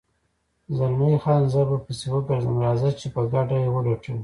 زلمی خان: زه به پسې وګرځم، راځه چې په ګډه یې ولټوو.